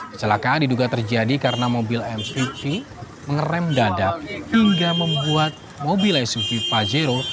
kecelakaan diduga terjadi karena mobil mpv mengeram dadah hingga membuat mobil suv pajero